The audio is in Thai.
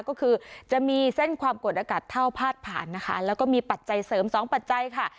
ก็คือจะมีเส้นความกดอากาศเท่าพาดผ่านนะคะแล้วก็มีปัจจัยเสริมสองปัจจัยค่ะ